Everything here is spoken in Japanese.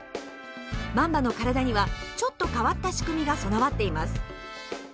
マンバの体にはちょっと変わった仕組みが備わっています。